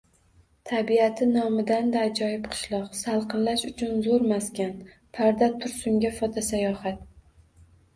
Tabiati nomidan-da ajoyib qishloq. Salqinlash uchun zo‘r maskan – Parda Tursunga fotosayohat